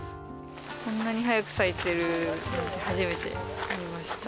こんなに早く咲いているのを初めて見ました。